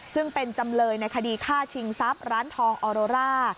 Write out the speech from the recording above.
ซึ่งเป็นจำเลยในคดีฆ่าชิงทรัพย์ร้านทองออโรร่า